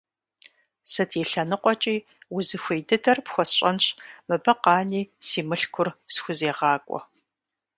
Сыт и лъэныкъуэкӀи узыхуей дыдэр пхуэсщӀэнщ, мыбы къани си мылъкур схузегъакӀуэ.